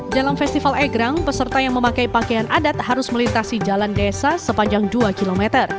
dalam festival egrang peserta yang memakai pakaian adat harus melintasi jalan desa sepanjang dua km